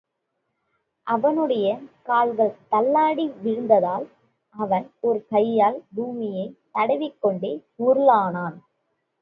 அவனுடைய கால்கள் தள்ளாடி வீழ்ந்ததால் அவன் ஒரு கையால் பூமியைத் தடவிக் கொண்டே உருளலானான்.